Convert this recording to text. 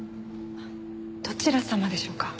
どちら様でしょうか？